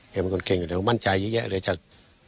เป็นคนเก่งอยู่แล้วมั่นใจเยอะแยะเลยจาก